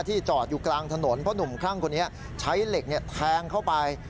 จอดอยู่กลางถนนเพราะหนุ่มคลั่งคนนี้ใช้เหล็กแทงเข้าไป